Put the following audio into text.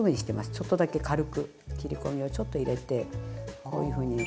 ちょっとだけ軽く切り込みをちょっと入れてこういうふうに。